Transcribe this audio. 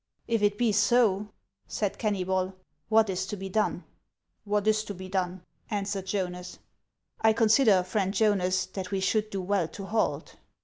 " If it be so," said Kennybol, " what is to be done ?"" What is to be done ?" answered Jonas. " I consider, friend Jonas, that we should do well to halt."